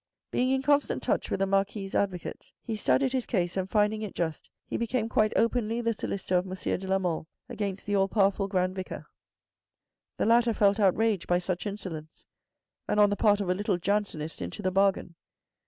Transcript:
Being in constant touch with the Marquis's advocates, he studied his case, and finding it just, he became quite openly the solicitor of M. de la Mole against the all powerful Grand Vicar. The latter felt outraged by such insolence, and on the part of a little Jansenist into the bargain.